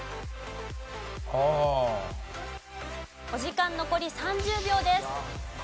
お時間残り３０秒です。